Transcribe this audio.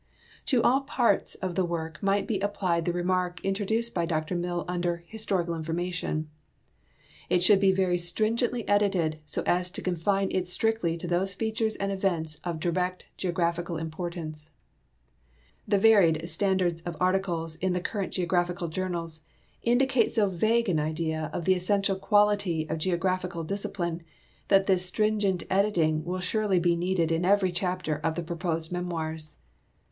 To all parts of the work might be applied the remark intro duced by Dr Mill under " historical information." It should be " very stringently edited, so as to confine it strictly to those features and events of direct geographical importance." The varied standards of articles in the current geographical journals indicate so vague an idea of tlie essential quality of geographical discipline that this stringent editing will surely be needed in every chapter of the proposed memoirs.